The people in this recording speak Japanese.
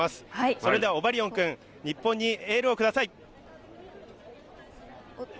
それではオバリオン君、日本にエールをください。